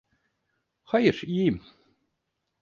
Hayır, iyiyim.